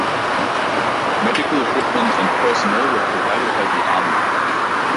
Medical equipment and personnel were provided by the Army.